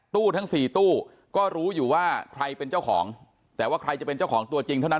ทั้งสี่ตู้ก็รู้อยู่ว่าใครเป็นเจ้าของแต่ว่าใครจะเป็นเจ้าของตัวจริงเท่านั้น